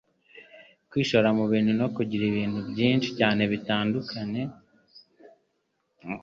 Kwishora mubintu no kugira ibintu byinshi cyane nibintu bibiri bitandukanye.